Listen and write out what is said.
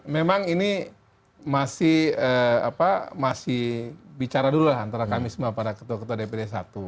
memang ini masih bicara dulu lah antara kami semua para ketua ketua dpd satu